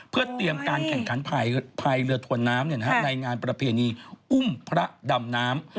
เพื่อเตรียมการแข่งขันภายเรือถวนน้ำในงานประเพณีอุ้มพระดำน้ำ